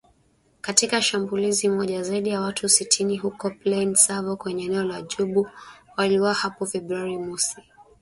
Katika shambulizi moja, zaidi ya watu sitini huko Plaine Savo kwenye eneo la Djubu waliuawa hapo Februari mosi mwendesha mashtaka wa kijeshi